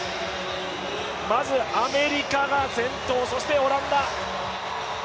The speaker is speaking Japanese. まずアメリカが先頭、そしてオランダ。